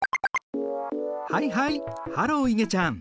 はいはいハローいげちゃん。